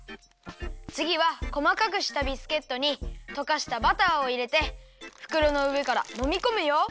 つぎはこまかくしたビスケットにとかしたバターをいれてふくろのうえからもみこむよ。